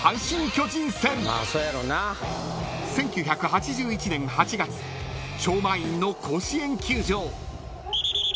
［１９８１年８月超満員の甲子園球場］